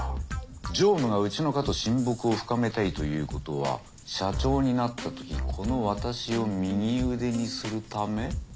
常務がうちの課と親睦を深めたいということは社長になったときこの私を右腕にするため。